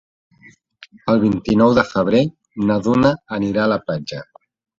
El vint-i-nou de febrer na Duna anirà a la platja.